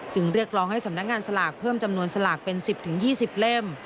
เรียกร้องให้สำนักงานสลากเพิ่มจำนวนสลากเป็น๑๐๒๐เล่ม